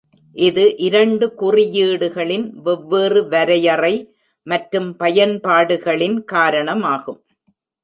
இது இரண்டு குறியீடுகளின் வெவ்வேறு வரையறை மற்றும் பயன்பாடுகளின் காரணமாகும்.